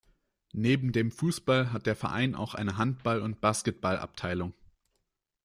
Neben dem Fußball hat der Verein auch eine Handball- und Basketballabteilung.